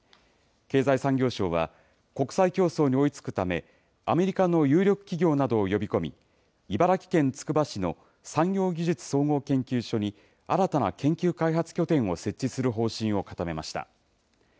経済産業省は、国際競争に追いつくため、アメリカの有力企業などを呼び込み、茨城県つくば市の産業技術総合研究所に新たな研究開発拠点を設置する方針を固めました。